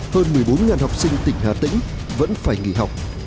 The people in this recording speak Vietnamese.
hơn một mươi bốn học sinh tỉnh hà tĩnh vẫn phải nghỉ học